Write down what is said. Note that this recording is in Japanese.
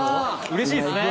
うれしいですね。